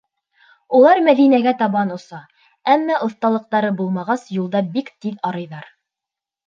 Улар Мәҙинәгә табан оса, әммә, оҫталыҡтары булмағас, юлда бик тиҙ арыйҙар.